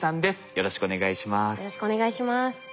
よろしくお願いします。